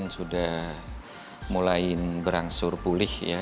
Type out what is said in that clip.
sudah mulai berangsur pulih